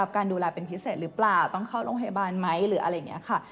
การดูแลเป็นพิเศษหรือเปล่าต้องเข้าโรงพยาบาลไหมหรืออะไรอย่างนี้ค่ะ